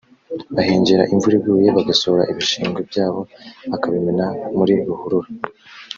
bahengera imvura iguye bagasohora ibishingwe byabo bakabimena muri ruhurura